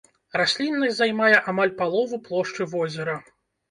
Расліннасць займае амаль палову плошчы возера.